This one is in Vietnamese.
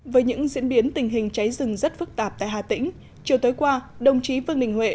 với những diễn biến tình hình cháy rừng rất phức tạp tại hà tĩnh chiều tới qua đồng chí vương đình huệ